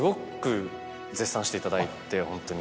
していただいてホントに。